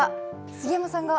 杉山さんが？